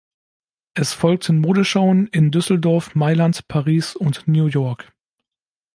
Es folgten Modeschauen in Düsseldorf, Mailand, Paris und New York.